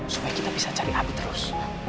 supaya kita bisa cari api terus